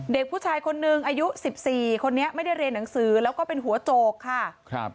เด็กผู้ชายคนนึงอายุสิบสี่คนนี้ไม่ได้เรียนหนังสือแล้วก็เป็นหัวโจกค่ะครับ